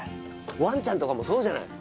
ワンちゃんとかもそうじゃない？